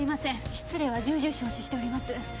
失礼は重々承知しております。